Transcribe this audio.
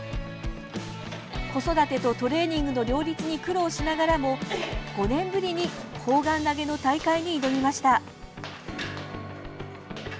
子育てとトレーニングの両立に苦労しながらも５年ぶりに砲丸投げの大会に挑みました。